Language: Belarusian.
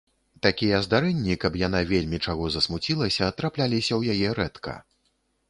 Такія здарэнні, каб яна вельмі чаго засмуцілася, трапляліся ў яе рэдка.